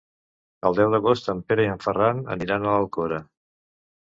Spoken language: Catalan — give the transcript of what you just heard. El deu d'agost en Pere i en Ferran aniran a l'Alcora.